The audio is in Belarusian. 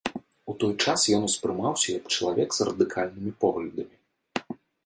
У той час ён успрымаўся як чалавек з радыкальнымі поглядамі.